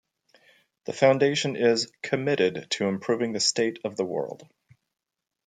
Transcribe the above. The foundation is "committed to improving the State of the World".